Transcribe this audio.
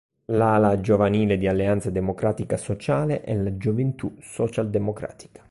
L'ala giovanile di Alleanza democratica sociale è la Gioventù Socialdemocratica.